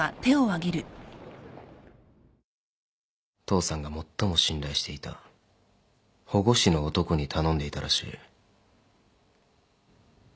父さんが最も信頼していた保護司の男に頼んでいたらしい。